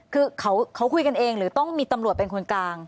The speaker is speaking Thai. คือเขาคุยกันเองหรือต้องมีตำรวจเป็นคนกลาง